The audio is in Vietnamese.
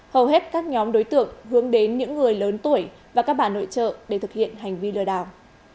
hầu hết các nhóm đối tượng hướng đến những người lớn tuổi và các bà nội trợ để thực hiện hành vi lừa đảo